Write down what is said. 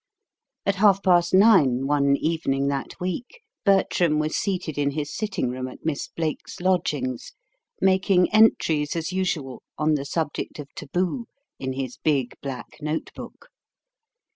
IX At half past nine one evening that week, Bertram was seated in his sitting room at Miss Blake's lodgings, making entries, as usual, on the subject of taboo in his big black notebook.